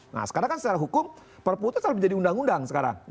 nah sekarang kan secara hukum perpu itu selalu menjadi undang undang sekarang